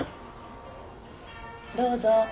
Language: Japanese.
どうぞ。